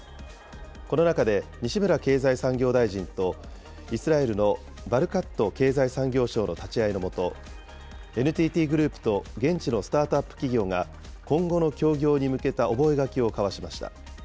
この中で西村経済産業大臣とイスラエルのバルカット経済産業相の立ち会いのもと、ＮＴＴグループと現地のスタートアップ企業が、今後の協業に向けた覚書を交わしました。